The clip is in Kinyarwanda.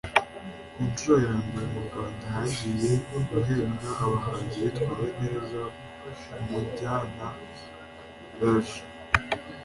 Ku nshuro ya mbere mu Rwanda hagiye guhembwa abahanzi bitwaye neza mu jyana ya Reggae